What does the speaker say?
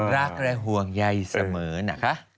รักและห่วงใยเสมอนะคะ